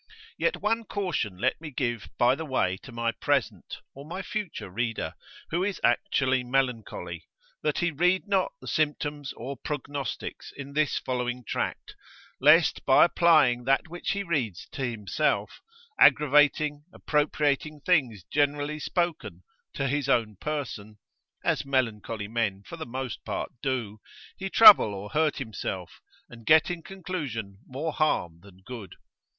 Yet one caution let me give by the way to my present, or my future reader, who is actually melancholy, that he read not the symptoms or prognostics in this following tract, lest by applying that which he reads to himself, aggravating, appropriating things generally spoken, to his own person (as melancholy men for the most part do) he trouble or hurt himself, and get in conclusion more harm than good.